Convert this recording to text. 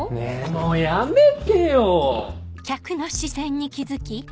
もうやめてよ！